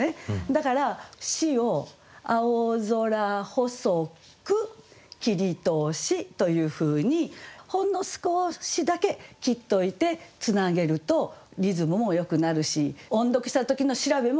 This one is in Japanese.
だから「し」を「青空細く切通し」というふうにほんの少しだけ切っといてつなげるとリズムもよくなるし音読した時の調べもよくなる。